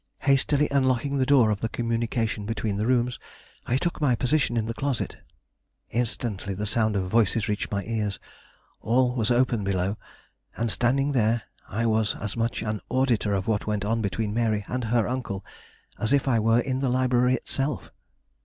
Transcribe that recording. Hastily unlocking the door of the communication between the rooms, I took my position in the closet. Instantly the sound of voices reached my ears; all was open below, and standing there, I was as much an auditor of what went on between Mary and her uncle as if I were in the library itself.